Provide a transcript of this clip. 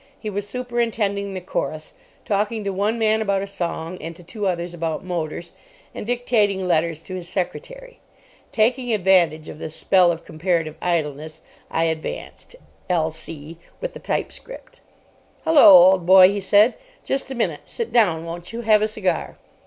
He was superintending the chorus, talking to one man about a song and to two others about motors, and dictating letters to his secretary. Taking advantage of this spell of comparative idleness, I advanced (l.c.) with the typescript. "Hullo, old boy," he said, "just a minute! Sit down, won't you? Have a cigar."